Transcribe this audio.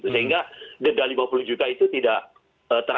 sehingga denda lima puluh juta itu tidak terlalu